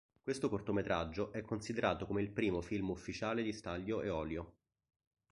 Questo cortometraggio è considerato come il primo film ufficiale di Stanlio e Ollio.